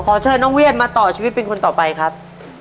เชิญน้องเวียดมาต่อชีวิตเป็นคนต่อไปครับ